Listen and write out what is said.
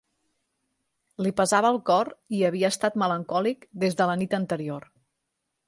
Li pesava el cor i havia estat melancòlic des de la nit anterior.